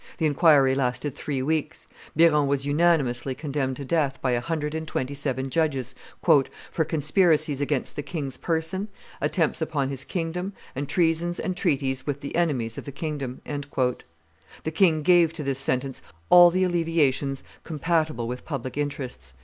The inquiry lasted three weeks. Biron was unanimously condemned to death by a hundred and twenty seven judges "for conspiracies against the king's person, attempts upon his kingdom, and treasons and treaties with the enemies of the kingdom." The king gave to this sentence all the alleviations compatible with public interests.